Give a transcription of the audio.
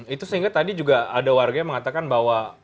itu sehingga tadi juga ada warga yang mengatakan bahwa